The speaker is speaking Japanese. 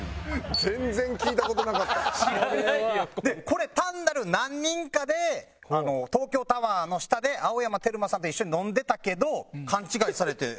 これ単なる何人かで東京タワーの下で青山テルマさんと一緒に飲んでたけど勘違いされて。